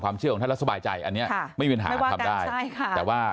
ความเชื่อของท่านและสบายใจอันนี้ไม่เป็นห่างทำได้แต่ว่า